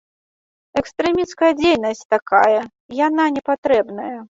Экстрэмісцкая дзейнасць такая, яна не патрэбная.